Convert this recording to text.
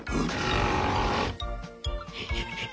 ヘヘヘヘ。